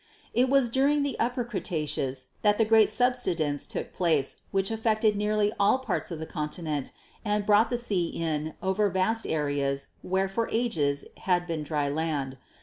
"It was during the Upper Cretaceous that the great sub sidence took place which affected nearly all parts of the continent and brought the sea in over vast areas where for ages had been dry land.